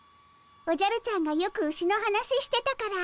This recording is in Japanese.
おじゃるちゃんがよくウシの話してたから。